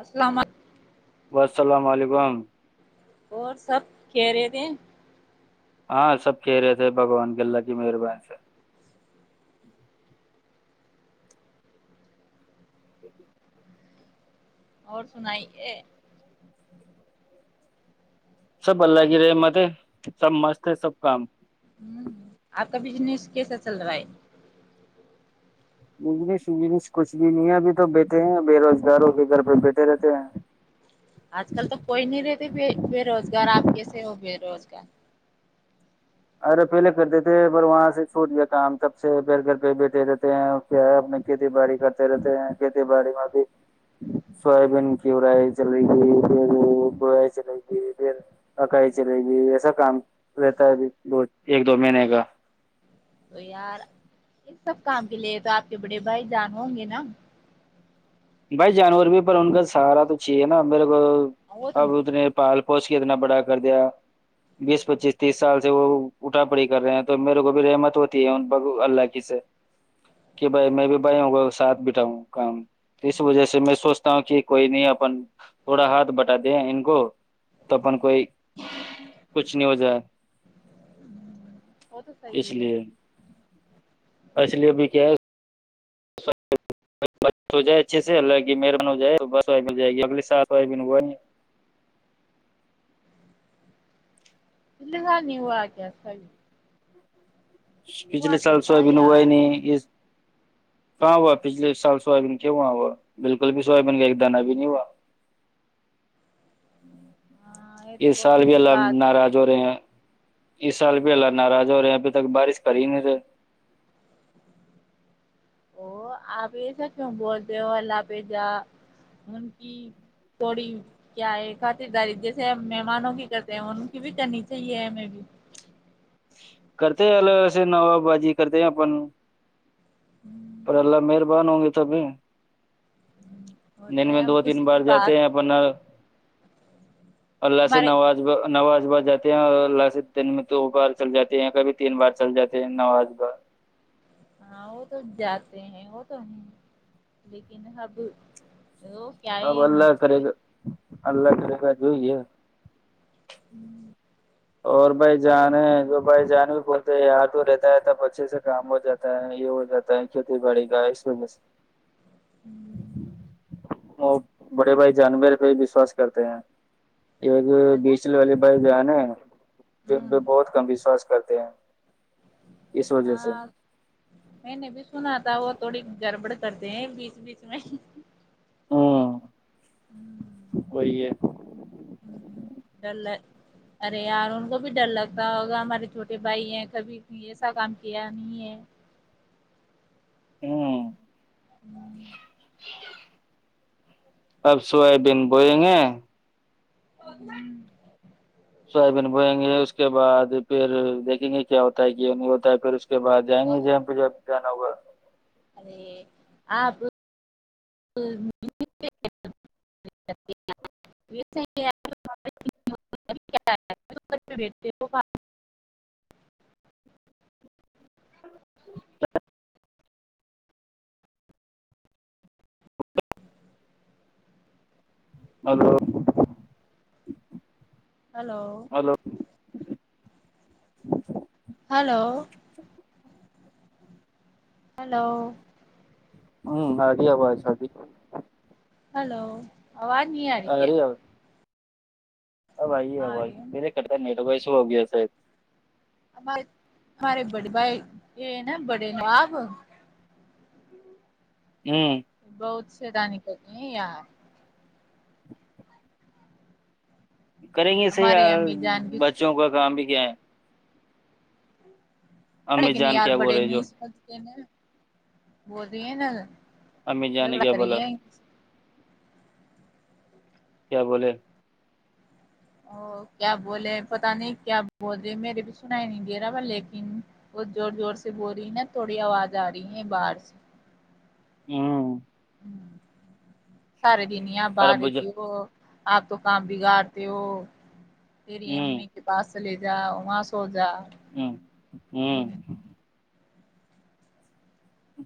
السلام علیکم بسلام علیکم اور سب کہہ رہے تھے ہاں سب کہہ رہے تھے بھگوان کے اللہ کی مہربانی سے اور سنائیے سب اللہ کی رحمت ہے سب مست ہے سب کام ہ آپ کا بجنس کیسا چل رہا ہے بجنس اجنس کچھ بھی نہیں ہے ابھی تو بیٹھے ہیں بے روزگاروں کے گھر پہ بیٹھے رہتے ہیں آج کل تو کوئی نہیں رہتے بے روزگار آپ کیسے ہو بے روزگار ارے پہلے کرتے تھے پر وہاں سے چھوٹ دیا کام تب سے پیر گھر پہ بیٹھے رہتے ہیں کیا ہے اپنی کھیتی باڑی کرتے رہتے ہیں کھیتی باڑی میں ا بھیھی سویابین کیورائی چلے گئی پھر گ چلے گئی پھر اکائی چلے گی ایسا کام رہتا ہے ابھی دو ایک دو مہینے کا تو یار ان سب کام کے لیے تو آپ کے بڑے بھائی جان ہوں گے نا بھائی جانور بھی پر ان کا سہارا تو چاہیے نا میرے کو وہ تو اب اتنے پال پوس کے اتنا بڑا کر دیا بیس پچیس تیس سال سے وہ اٹھا پڑی کر رہے ہیں تو میرے کو بھی رحمت ہوتی ہے ان ب اللہ کی کہ بھائی میں بھی بڑے ہوں ساتھ بیٹا ہوں کام اس وجہ سے میں سوچتا ہوں کہ کوئی نہیں اپن تھوڑا ہاتھ بٹا دیں ان کو تو اپن کوئی کچھ نہیں ہو جائے ہ وہ تو صحیح اس ہے لیے اس لیےبھی کیا بس ہو جائے اچھے سے اللہ کہ مہربن ہو جائے بس وائی مل جائے گی اگلی سات و ہوا نہیں ہے اللہ نہیںو [unintelligible] کیس پچھلے تو سال تھا سویابین ہوئے یار نہیں یہ کہاں ہوا پچھلے سال سویابین کی ہوا ہوا بالکل بھی سویابین کا ایک دان بھی نہیں ہوا ہاں تو یہ سال بہت بھی بری اللہ بات ہے ناراض ہو رہے ہیں اس سال بھی اللہ ناراض ہو رہے ہیں ابھی تک بارش کری نہیں تھے ا آپ ایسا کیوں بولتے ہو اللہ پہ جا ان کی توڑی کیا ہے خاطرداری جیسے ہم مہمانوں کی کرتے ہیں ان کی بھی کرنی چاہیے ہمیں بھی کرتے ہے اللہ سے نو بازی کرتے ہے اپن پر اللہ مہربان ہوں گی تبھی ہوتے دن ہیں میں ہم دو تین کسی بار کے پاس جاتے ہیں اپن اللہ سے ہمارے نوازہ نواز بہ جاتے ہیں اور اللہ سے دن میں دو بار چل جاتے ہیں کبھی تین بار چل جاتے ہیں نواز بار ہاں وہ تو جاتے ہیں وہ تو نہیں لیکن سب آ اللہ کرے گا اللہ کرے گا جوئیے ہوں اور بھائی جان ہے تو بھائی جان بھی بولتے ہیں یہاں تو رہتا ہے تب اچھے سے کام ہو جاتا ہے یہ ہو جاتا ہے کھیتی بڑے گا اس میں میں سے ا بڑے بھائی جان میرے پہ وشواس کرتے ہیں ایک پتا بیچ والے بھائی جان ہے میرے ہ پہ بہت کم وشواس کرتے ہیں اس وجہ سے ہاں میں نے بھی سنا تھا وہ تھوڑی گڑبڑ کرتے ہیں بیچ بیچ میں ہاں وہی ہے [unintelligible] ارے یار ان کو بھی ڈر لگتا ہوگا ہمارے چھوٹے بھائی ہیں کبھی ایسا کام کیا نہیں ہے ہاں ہے اب سویابین بوئیں گے ا ہمم سویابین بوئیں گے اس کے بعد پھر دیکھیں گے کیا ہوتا ہے کیوں نہیں ہوتا ہے پھر اس کے بعد جائیں تو گے جہاں پہ جہ پہ جانا ہوگا [unintelligible] [unintelligible] [unintelligible] hello hello hello hello hello ہوں آرہی آواز صحیح ہیلو آواز نہیں اری آ کیا رہی آواز اب آئی گی آ آواز رہی ہے میرے نیٹ ورک کرتا ہے نہیں تو سو ہو گیا ہمارے ہمارے بڑے بھائی یہ نا بڑے آپ ہوں بہت سے دانی کرتے ہیں یار کریں گے صحی ہمارے امی جان کی بچوں کا کام بھی کیا ہے بڑے امی کنے جان یار کیا بول بڑے رہے جو نہیں سمجھتے نا رہی ہیں نا امی جان نے جھگڑا کیا بولا کریے کیا بولے او کیا بولے پتا نہیں کیا بول رہے میرے بھی سن ہی نہیں دے رہا لیکن ب زور زور سے بول رہی ہے نا تھوڑی آواز آ رہی ہے باہر سے ہوں سارے دن آ ب آ ارب رہی بج تھی وہ آپ تو کام بگاڑتے ہو تیری ہوں امی کے پاس سے لے جاؤ وہاں سو جا ہاں ہاں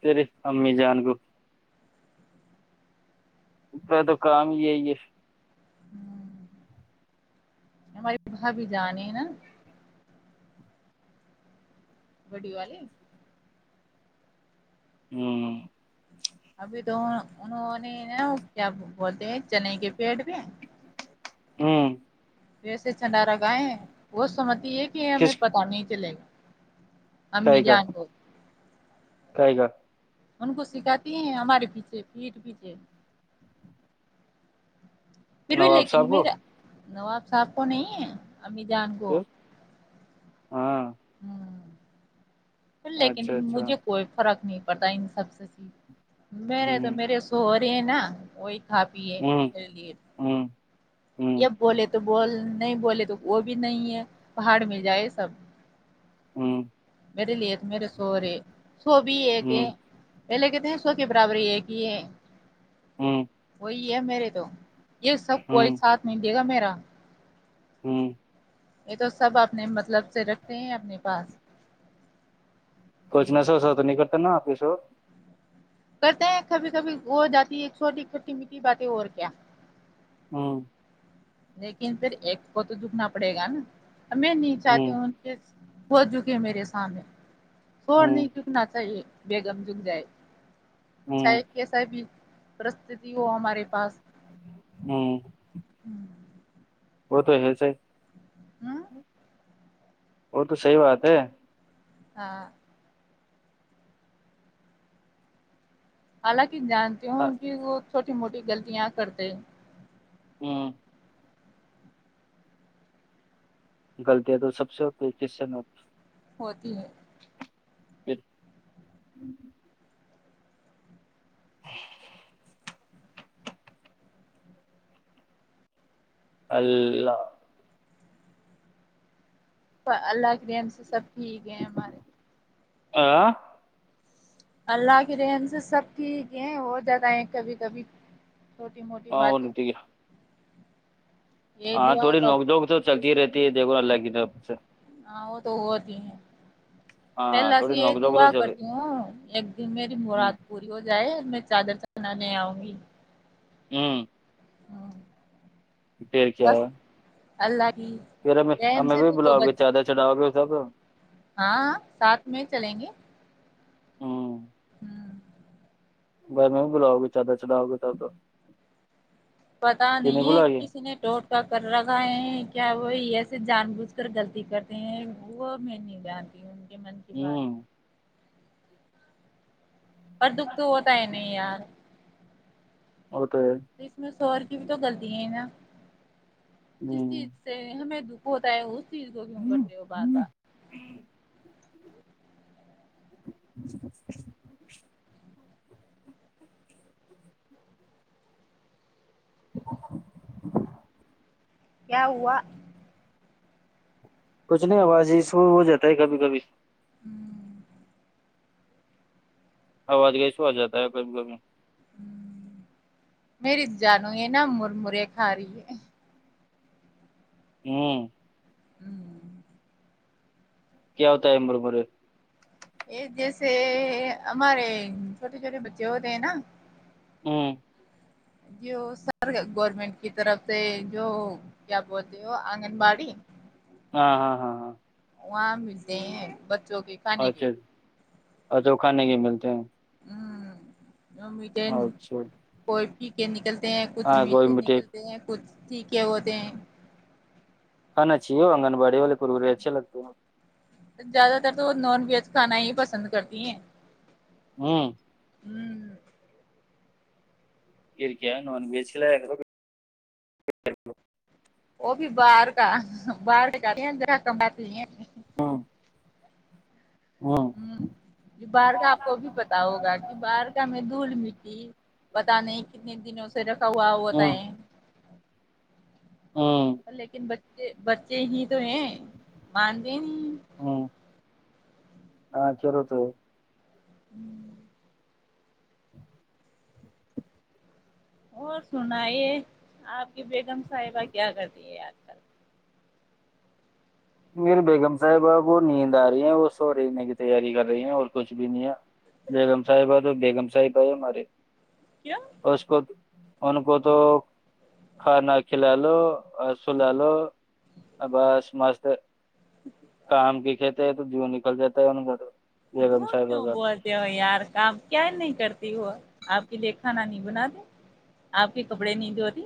تریے امی جان کو پا تو کام ہی یہی ہے ہمارے بھابھی جان نے نا بڑی والی ہوں ابھی تو انہوں نے نا وہ کیا بولتے ہیں چنے کے پیڑ پہ ہوں ویسے چنڈاگائے ہیں وہ سمجتی ہے کہ ہمیں کس پتا نہیں چلے گا سائے امی گر جان کو کاائے گر ان کو سکھاتی ہیں ہمارے پیچھے پیٹ پیچھے پھر بھی نواب لیکن صاحب کو میرا نواب صاحب کو نہیں ہے امی جان کو پھر ہاں ہاں لیکن اچھا اچھا مجھے کوئی فرق نہیں پڑتا ان سب سے میرے تو ہوں میرے سوہ رہے نا وہی کھا پیے پ لیے ہاں یہب بولے تو بول نہیں بولے تو وہ بھی نہیں ہے پہاڑ میں جائے سب ہاں میرے لیے میرے سو رہے سو بھی ایک ہے ہوں پہلے کہتے ہیں سو کے برابر ہی یہ ایک ہی ہے ہوں وہی ہے میرے تو یہ سب کوئی ہوں ساتھ نہیں دے گا میرا ہوں یہ تو سب اپنے مطلب سے رکھتے ہیں اپنے پاس کچ ن سو سو تو نکتا نا آپ سو کرتے ہیں کبھی کبھی ہو جاتی ہے ایک چھوٹی چھوٹی میٹیھی باتیں اور کیا ہاں لیکن پھر ایک کو تو دکنا پڑے گا نا اب میں نہیں چاہتی ہوں ہو چکے میرے سامنے چڑ ہوں نہیں نہ تھا یہ بیگم جک جائے ہوں س کیسا بھی پرستتی ہو ہمارے پاس ہاں وہ تو ہے صی ہوں وہ تو صحیح بات ہے ہاں حالانکہ جانتی ہوں کہ وہ چھوٹی موٹی غلطیاں کرتے ہوں غلطیاں تو سب سے ہوتی ہے ہوتی ہے ہوتی پھر اللہ اللہ کے رحم سے سب ٹھیک ہے ہمارے آ اللہ کے رحم سے سب ٹھیک ہیں ہو جاتا ہے کبھی کبھی چھوٹی موٹی باتیں یہی ہاں دعا تھوڑی نوک کر جھوک تو چلتی ہی رہتی ہے دیکھو اللہ کی طرف سے ہاں وہ تو ہوتی ہیں میں ہاں اللہ سے تھوڑی یہ نوک جھوک تو دعا چلے کرتی ہوں ایک میری ہ مراد پوری ہو جائے میں چادر چڑھانے آؤں گی ہوں ڈیر کیا ہے بس اللہ گی پھر ہمیں ہمیں بھی بلاؤ گی چادر چڑاؤ گی جب ہاں ساتھ میں چلیں گے ہوں میں بھی بلاؤ گی چادر چڑھاؤ گی تب پتا یہ نہیں ہے بلاؤ گے کسی نے کر رگا ہے کیا وہ ایسے جان بوجھ کر غلطی کرتے ہیں وہ میں نہیں جانتی ہو ان کے من کی بات ہوں اور دکھ تو ہوتا ہی نہیں یار ہوتا ہے تو اس میں شوہر کی بھی تو غلطی ہیں نا جس ہے چیز سے ہمیں دکھ ہوتا ہے اس چیز کو کیوں کرتے ہو بار ہ بار کیا ہوا کچھ نہیں آواز اس میں وہ جاتا ہے کبھی کبھی ہوں آواز کیسو آ جاتا ہے کبھی کبھی میری جانو ہے نہ مر مرے کھا رہی ہے ہوں ہوں کیا ہوتا ہے مر مرے یہ جیسے ہمارے چھوٹے چھوٹے بچے ہوتے ہیں نا ہم جو سارے گورنمنٹ کی طرف سے جو کیا بولتے ہو آنگن واڑی ہاں ہاں ہاں ہاں وہاں ملتے ہیں بچوں کے کھانے کے اچھا اچھ وہ کھانے کے ملتے ہیں میٹھے اچھا کوئی پی کے نکلتے ہیں کچھ ہاں کوئی میٹھے مٹھائی نکلتے ہیں کچھ ٹھیک ہے ہوتے ہیں کھانا چاہیے انگن واڑی والے اچھے لگتے ہیں زیادہ تر تو وہ نان ویج کھانا ہی پسند کرتی ہیں ہوں پھر کیا ہے نون ویج کھلایا کرو وہ بھی باہر کا باہر کا زیادہ اندر کہ کام کہا تی ہیں ہاں ہاں یہ بارگاہ آپ کو بھی پتا ہوگا کہ بارگاہ میں دھول مٹی پتہ نہیں کتنے دنوں سے رکھا ہوا ہوتا ہوں ہے ہوں لیکن بچے بچے ہی تو ہیں مانتے نہیں ہوں ہاں کرو تو ہوں اور سنائیے آپ کی بیگم صاحبہ کیا کرتی ہے آج کل میری بیگم صاحبہ کو نیند آ رہی ہے وہ سو رہیں کی تیاری کر رہی ہیں اور کچھ بھی نہیں ہے بیگم ساحبہ تو بیگم ساحبہ ہے ہماری کیا اس کو ان کو تو کھانا کھلالو اور سلالو بس مست کام کی کھت [unintelligible] جھوٹ کیوں بول یار کام کیا نہیں کرتی ہو آپ کے لیے کھانا نہیں بناتیں آپ کے کپڑے نہیں دھوتیں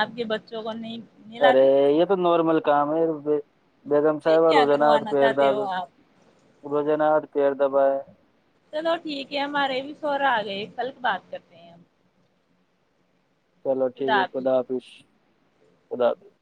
آپ کے بچوں کو نہیں ارے نہلاتے یہ تو نارمل کام ہے بیگم پھر صاحبہ کیا روزانہ کروانا چاہتے پیرداب ہو آپ روزانہ پیر دبائے چلو ٹھیک ہے ہمارے بھی سوہر آ گئے کل بات کرتے ہیں ہم چلو ٹھیک ہے خدا حافظ خداحافظ